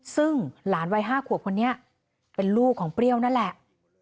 ซึ่งหลานวัย๕ขวบคนนี้เป็นลูกของเปรี้ยวนั่นแหละ